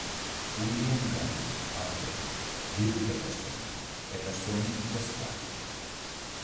უილიამ გაი, პარკერი, დირკ პეტერსონი, პატერსონი და სხვანი.